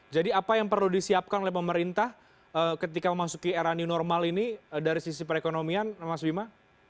jadi apa yang perlu disiapkan oleh pemerintah ketika memasuki era new normal ini dari sisi perekonomian mas bima